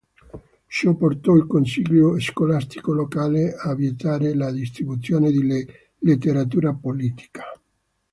Ciò portò il consiglio scolastico locale a vietare la distribuzione di letteratura politica.